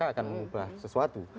akan mengubah sesuatu